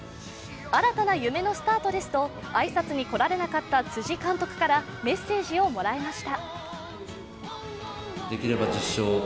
「新たな夢のスタートです」と挨拶に来られなかった辻監督からメッセージをもらいました。